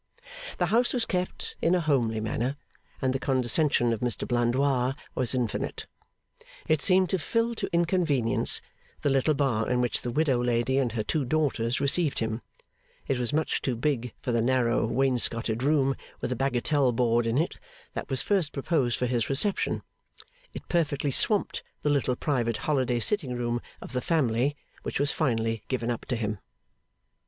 The house was kept in a homely manner, and the condescension of Mr Blandois was infinite. It seemed to fill to inconvenience the little bar in which the widow landlady and her two daughters received him; it was much too big for the narrow wainscoted room with a bagatelle board in it, that was first proposed for his reception; it perfectly swamped the little private holiday sitting room of the family, which was finally given up to him.